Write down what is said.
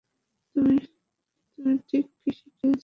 তুমি ঠিক কী শেখাচ্ছিলে, ক্যাপ্টেন?